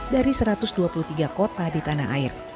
dari satu ratus dua puluh tiga kota di tanah air